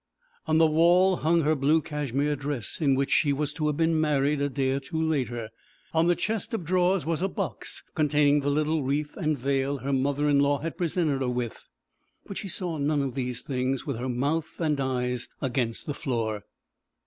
On the wall hung her blue cashmere dress, in which she was to have been married a day or two later. On the chest of drawers was a box containing the little wreath and veil her mother in law had presented her with. But she saw none of these things, with her mouth and eyes against the floor.